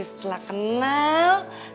tapi setelah kenal sama si boy